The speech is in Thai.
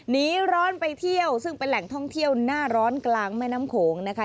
หนีร้อนไปเที่ยวซึ่งเป็นแหล่งท่องเที่ยวหน้าร้อนกลางแม่น้ำโขงนะคะ